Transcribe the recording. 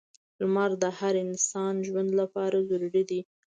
• لمر د هر انسان ژوند لپاره ضروری دی.